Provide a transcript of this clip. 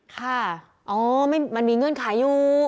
ค่ะอ๋อมันมีเงื่อนไขอยู่